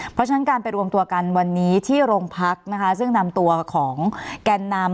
เพราะฉะนั้นการไปรวมตัวกันวันนี้ที่โรงพักนะคะซึ่งนำตัวของแกนนำ